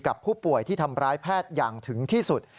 กับผู้ป่วยที่ทำร้ายแพทย์อย่างถึงที่สุด